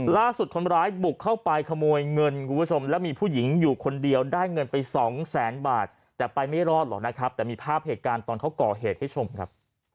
ล่าสุดคนร้ายบุกเข้าไปขโมยเงินคุณผู้ชมแล้วมีผู้หญิงอยู่คนเดียวได้เงินไปสองแสนบาทแต่ไปไม่รอดหรอกนะครับแต่มีภาพเหตุการณ์ตอนเขาก่อเหตุให้ชมครับ